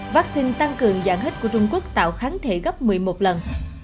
vắc xin tăng cường dạng hết của trung quốc tạo kháng thể gấp một mươi một lần